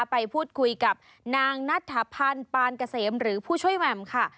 ไปพูดคุยกับนางนัทธพันธ์ปานเกษมหรือผู้ช่วยแหม่มค่ะ